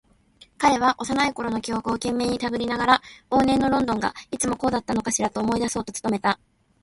彼は幼いころの記憶を懸命にたぐりながら、往年のロンドンがいつもこうだったのかしらと思い出そうと努めた。